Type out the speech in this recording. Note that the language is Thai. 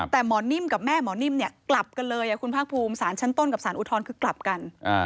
แต่หมอนิ่มกับแม่หมอนิ่มเนี่ยกลับกันเลยคุณภาคภูมิสารชั้นต้นกับสารอุทธรณ์คือกลับกัน